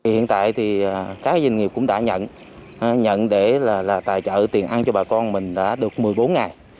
hiện tại thì các doanh nghiệp cũng đã nhận để là tài trợ tiền ăn cho bà con mình đã được một mươi bốn ngày